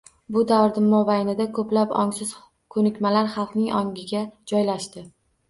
Bu davr mobaynida ko‘plab ongsiz ko‘nikmalar xalqning ongiga joylashdi.